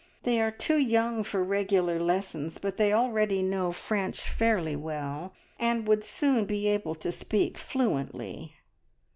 They are too young for regular lessons, but they already know French fairly well, and would soon be able to speak fluently."